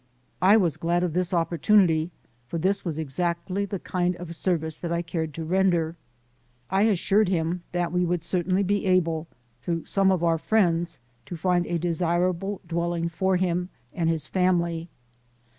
I was glad of this opportunity, for this was exactly the kind of service that I cared to render. I assured him that we would certainly be able through some of our friends to find a desirable dwelling for him and his family.